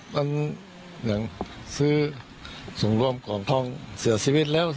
มันอย่างซื้อส่งรวมกล่องทองเสียชีวิตแล้ว